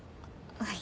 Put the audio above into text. はい。